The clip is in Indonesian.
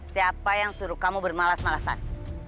siapa yang suruh kamu bermalas malasan